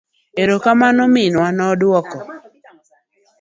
Ero kamano minwa, noduoko.